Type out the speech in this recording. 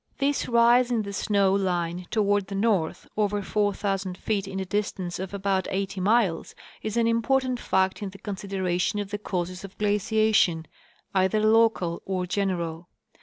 This rise in the snow line toward the north, over 4,000 feet in a distance of about eighty miles, is an important fact in the consideration of the causes of giaciation, either local or general.